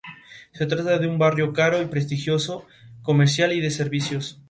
Se trata de un barrio caro y prestigioso, comercial y de servicios.